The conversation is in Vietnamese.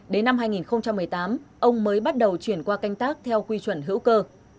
đến năm hai nghìn một mươi tám ông mới bắt đầu chuyển qua canh tác theo quy chuẩn hữu cơ